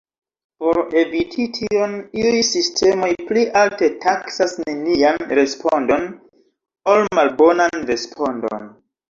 Por eviti tion, iuj sistemoj pli alte taksas nenian respondon ol malbonan respondon.